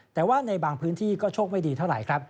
แต่ว่าในบางพื้นที่ก็โชคไม่ดีเท่าไหร่ครับ